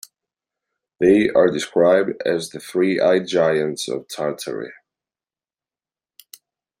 They are described as the Three-Eyed Giants of Tartary.